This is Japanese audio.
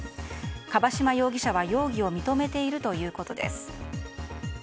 樺島容疑者は容疑を認めているということです。